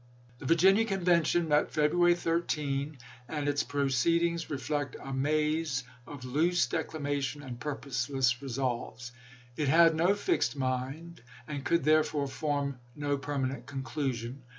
i86i. The Virginia Convention met February 13, and its proceedings reflect a maze of loose declamation and purposeless resolves. It had no fixed mind, and could, therefore, form no permanent conclu sion.